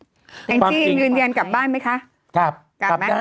จริงหยุดเย็นกลับบ้านไหมคะ